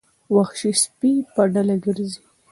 وحشي سپي په ډله ګرځي.